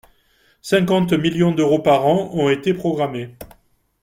cinquante millions d’euros par an ont été programmés.